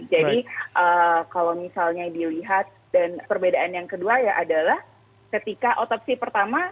jadi kalau misalnya dilihat dan perbedaan yang kedua ya adalah ketika otopsi pertama